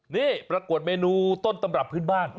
นี่ประกวดเมนูต้นตำรับพื้นบ้าน